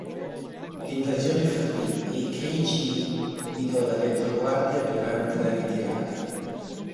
L'invasione fallì e Keiji guidò la retroguardia durante la ritirata.